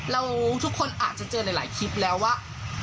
ทุกคนอาจจะเจอหลายคลิปแล้วว่า